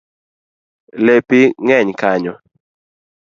Lepi ng’eny kanyo